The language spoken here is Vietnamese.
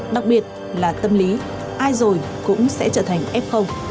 đặc biệt là tâm lý ai rồi cũng sẽ trở thành f